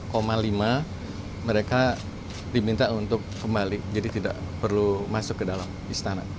karena mereka diminta untuk kembali jadi tidak perlu masuk ke dalam istana